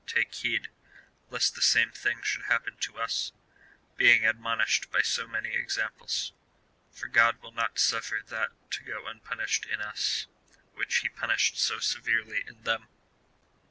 Let us, therefore, take heed, lest the same thing should happen to us, being admonished by so many examples, for God will not suffer that to go un punished in us, which he punished so severely in them."